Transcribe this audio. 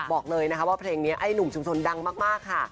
บอกเลยนะคะว่าเพลงนี้ไอ้หนุ่มชุมชนดังมากค่ะ